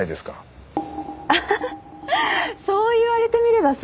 アハハッそう言われてみればそうね。